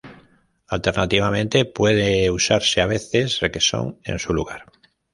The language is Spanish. Alternativamente puede usarse a veces requesón en su lugar.